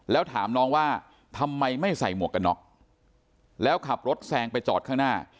แล้วถามน้องว่าทำไมไม่ใส่หมวกกันน็อกแล้วขับรถแซงไปจอดข้างหน้า